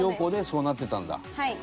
はい。